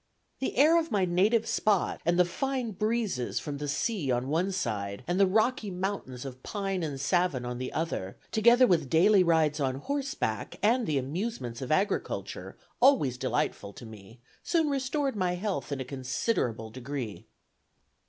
The air of my native spot, and the fine breezes from the sea on one side, and the rocky mountains of pine and savin on the other, together with daily rides on horseback and the amusements of agriculture, always delightful to me, soon restored my health in a considerable degree."